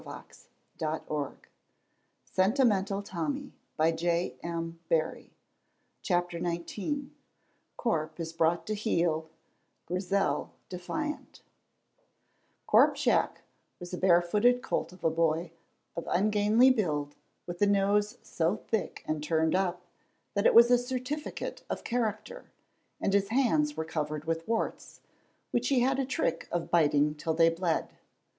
But it had become a bitter laugh by that time. CHAPTER XIX CORP IS BROUGHT TO HEEL GRIZEL DEFIANT Corp Shiach was a bare footed colt of a boy, of ungainly build, with a nose so thick and turned up that it was a certificate of character, and his hands were covered with warts, which he had a trick of biting till they bled.